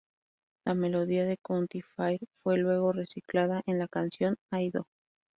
La melodía de "County Fair" fue luego reciclada en la canción "I Do".